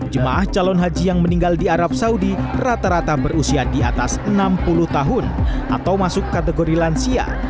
jemaah calon haji yang meninggal di arab saudi rata rata berusia di atas enam puluh tahun atau masuk kategori lansia